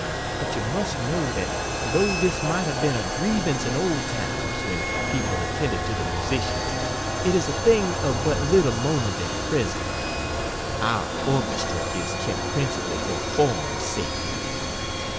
But you must know that, though this might have been a grievance in old times, when people attended to the musicians, it is a thing of but little moment at present ; our orchestra is kept principally for form sake.